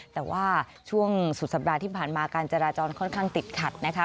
แต่ว่าช่วงสุดสัปดาห์ที่ผ่านมาการจราจรค่อนข้างติดขัดนะคะ